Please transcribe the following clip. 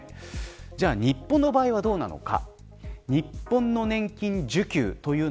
じゃあ日本の場合はどうなのか。